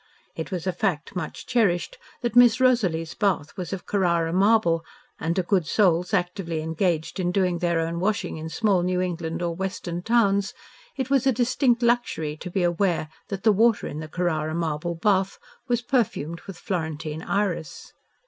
It was a fact much cherished that Miss Rosalie's bath was of Carrara marble, and to good souls actively engaged in doing their own washing in small New England or Western towns, it was a distinct luxury to be aware that the water in the Carrara marble bath was perfumed with Florentine Iris.